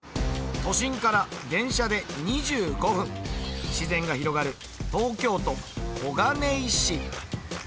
都心から電車で２５分自然が広がる東京都小金井市。